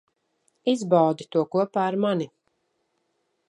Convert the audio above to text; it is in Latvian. Izbaudi to kopā ar mani.